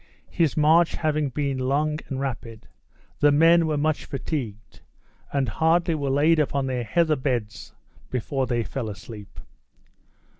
His march having been long and rapid, the men were much fatigued, and hardly were laid upon their heather beds before they fell asleep.